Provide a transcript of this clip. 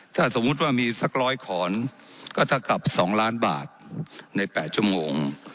ถ้าสมมุติว่ามีสักร้อยขอนก็เท่ากับ๒ล้านบาทใน๘ชั่วโมง